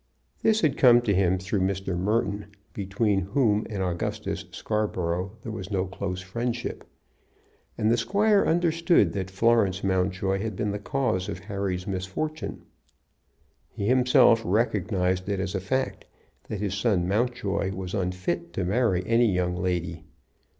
This had come to him through Mr. Merton, between whom and Augustus Scarborough there was no close friendship. And the squire understood that Florence Mountjoy had been the cause of Harry's misfortune. He himself recognized it as a fact that his son Mountjoy was unfit to marry any young lady.